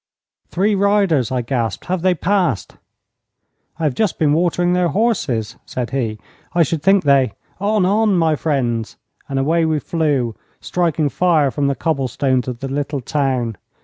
'Three riders!' I gasped. 'Have they passed?' 'I have just been watering their horses,' said he. 'I should think they ' 'On, on, my friends!' and away we flew, striking fire from the cobblestones of the little town.